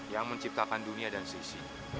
yang menciptakan dunia dan sisi